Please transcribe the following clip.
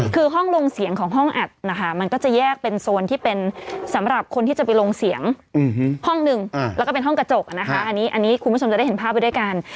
คือห้องลงเสียงของห้องอัดนะคะมันก็จะแยกเป็นโซนที่เป็นสำหรับคนที่จะไปลงเสียงห้องหนึ่งแล้วก็เป็นห้องกระจกนะคะอันนี้คุณผู้ชมจะได้เห็นภาพไปด้วยกัน